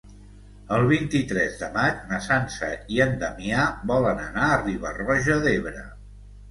El vint-i-tres de maig na Sança i en Damià volen anar a Riba-roja d'Ebre.